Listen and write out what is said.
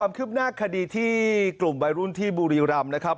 คืบหน้าคดีที่กลุ่มวัยรุ่นที่บุรีรำนะครับ